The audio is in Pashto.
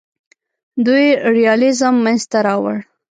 دوی ریالیزم منځ ته راوړ.